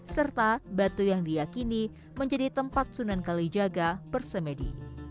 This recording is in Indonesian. serta batu yang diakini menjadi tempat sunan kali jaga bersemedi